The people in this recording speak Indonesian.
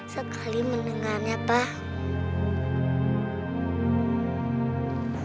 sekali mendengarnya papa